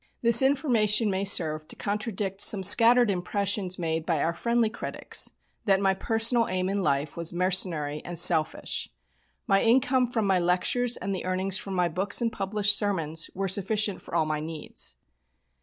This information may serve to contradict some scattered impressions made by our friendly critics, that my personal aim in life was mercenary and selfish. My income from my lectures, and the earnings from my books and published sermons, were sufficient for all my needs.